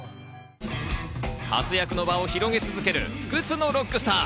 活躍の場を広げ続ける不屈のロックスター。